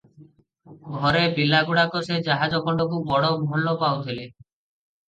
ଘରେ ପିଲାଗୁଡ଼ାକ ସେ ଜାହାଜ ଖଣ୍ଡକୁ ବଡ଼ ଭଲ ପାଉଥିଲେ ।